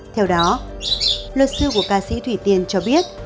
theo đó luật sư của ca sĩ thủy tiên cho biết